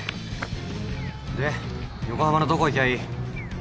で横浜のどこ行きゃいい？